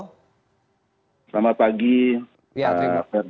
selamat pagi pak ferdi